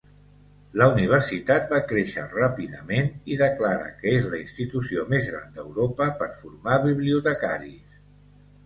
La universitat va créixer ràpidament i declara que és la institució més gran d"Europa per formar bibliotecaris.